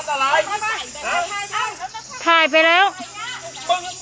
ก็ไม่งั้นนะครับ